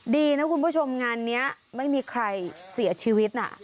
ดีนะคุณผู้ชมงานนี้ไม่มีใครเสียชีวิตนะ